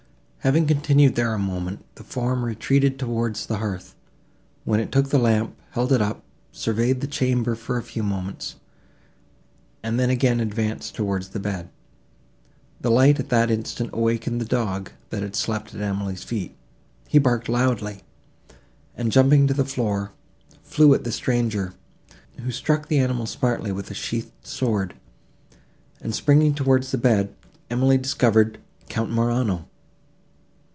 Having continued there a moment, the form retreated towards the hearth, when it took the lamp, held it up, surveyed the chamber, for a few moments, and then again advanced towards the bed. The light at that instant awakening the dog, that had slept at Emily's feet, he barked loudly, and, jumping to the floor, flew at the stranger, who struck the animal smartly with a sheathed sword, and, springing towards the bed, Emily discovered—Count Morano!